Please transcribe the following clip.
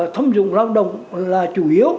thâm dụng lao động là chủ yếu